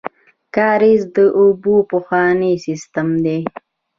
کاریز د اوبو پخوانی سیستم دی